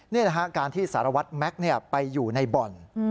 นี่นะฮะการที่สารวัตรแม็กซ์ไปอยู่ในบ่อน